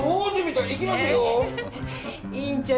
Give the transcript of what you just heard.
いきますよー。